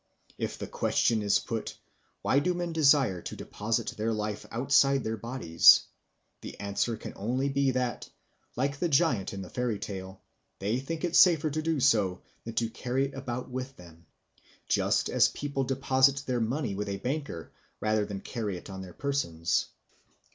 If the question is put, why do men desire to deposit their life outside their bodies? the answer can only be that, like the giant in the fairy tale, they think it safer to do so than to carry it about with them, just as people deposit their money with a banker rather than carry it on their persons.